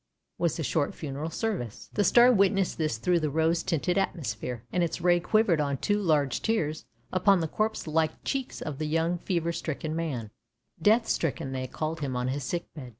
" was the short funeral service. The star witnessed this through the rose tinted atmosphere, and its ray quivered on two large tears upon the corpse like cheeks of the young fever stricken man — death stricken they called him on his sick bed.